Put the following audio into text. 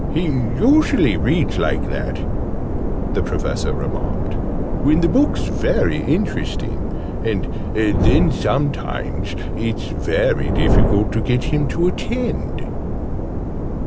"He usually reads like that," the Professor remarked, "when the book's very interesting: and then sometimes it's very difficult to get him to attend!"